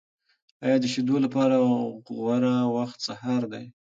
آیا د شیدو لپاره غوره وخت سهار دی؟